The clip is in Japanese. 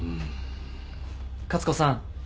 勝子さん